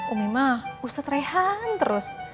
umimah ustadz rehan terus